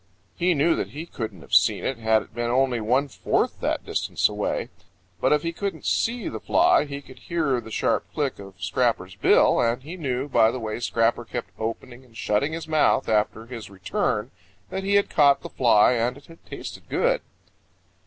He knew that he couldn't have seen it had it been only one fourth that distance away. But if he couldn't see the fly he could hear the sharp click of Scrapper's bill, and he knew by the way Scrapper kept opening and shutting his mouth after his return that he had caught that fly and it had tasted good.